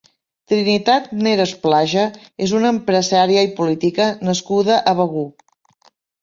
Trinitat Neras Plaja és una empresària i política nascuda a Begur.